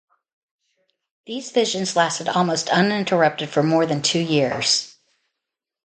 These visions lasted almost uninterrupted for more than two years.